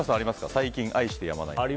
最近、愛してやまないもの。